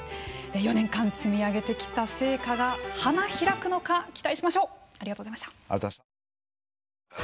４年間積み上げてきた成果が花開くのか期待しましょう！